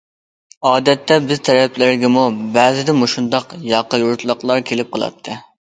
ئادەتتە بىز تەرەپلەرگىمۇ بەزىدە مۇشۇنداق ياقا يۇرتلۇقلار كېلىپ قالاتتى.